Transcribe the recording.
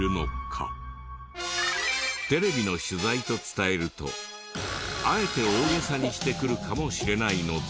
テレビの取材を伝えるとあえて大げさにしてくるかもしれないので。